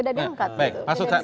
tidak diangkat gitu